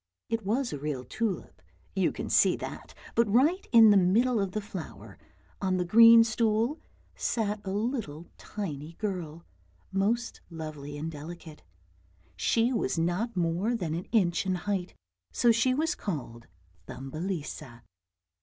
It was a real tulip, you could see that ; but right in the middle of the flower on the green stool sat a little tiny girl, most lovely and delicate; she was not more than an inch in height, so she was called Thumbelisa.